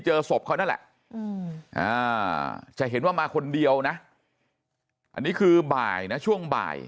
เจอศพเขานั่นแหละจะเห็นว่ามาคนเดียวนะอันนี้คือบ่ายนะช่วงบ่าย